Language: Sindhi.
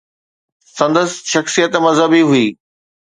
سندس شخصيت مذهبي هئي.